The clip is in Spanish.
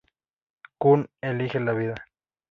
Kun elige la vida.